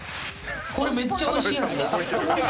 これめっちゃおいしいやつだ！